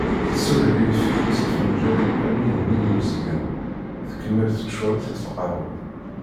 Tessureg ayefki s afenǧal almi d nnig n uzgen, tkemmel teččur-it s lqawa.